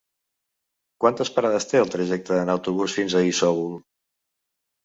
Quantes parades té el trajecte en autobús fins a Isòvol?